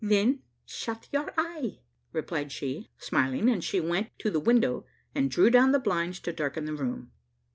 "Then shut your eye," replied she, smiling; and she went to the window, and drew down the blinds to darken the room.